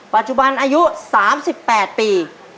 ปัจจุบันอายุสามสิบแปดปี